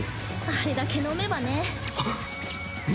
あれだけ飲めばね。